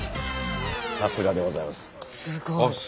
さすがでございます。